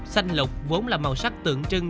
xanh lục vốn là màu sắc tượng trưng